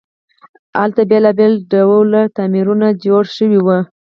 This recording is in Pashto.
هلته بیلابیل ډوله تعمیرونه جوړ شوي وو.